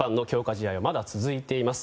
試合はまだ続いています。